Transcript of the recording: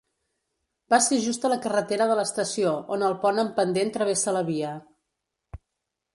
Va ser just a la carretera de l'estació, on el pont amb pendent travessa la via.